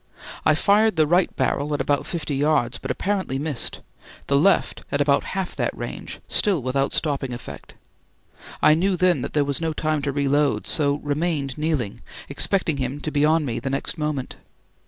I fired the right barrel at about fifty yards, but apparently missed; the left at about half that range, still without stopping effect. I knew then that there was no time reload, so remained kneeling, expecting him to be on me the next moment.